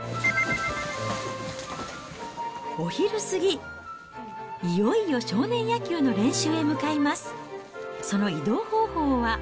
お昼過ぎ、いよいよ少年野球の練習へ向かいます。